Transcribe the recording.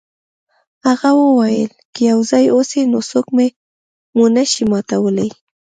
هغه وویل که یو ځای اوسئ نو څوک مو نشي ماتولی.